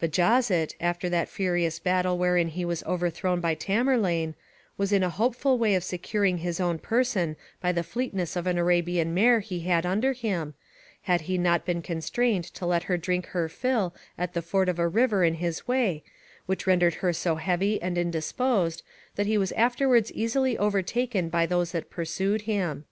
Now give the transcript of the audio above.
Bajazet, after that furious battle wherein he was overthrown by Tamerlane, was in a hopeful way of securing his own person by the fleetness of an Arabian mare he had under him, had he not been constrained to let her drink her fill at the ford of a river in his way, which rendered her so heavy and indisposed, that he was afterwards easily overtaken by those that pursued him.